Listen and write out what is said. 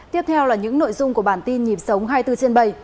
tiếp theo là những nội dung của bản tin nhịp sống hai mươi bốn trên bảy